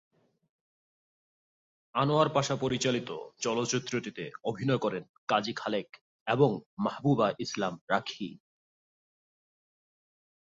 আনোয়ার পাশা পরিচালিত চলচ্চিত্রটিতে অভিনয় করেন কাজী খালেক এবং মাহবুবা ইসলাম রাখি।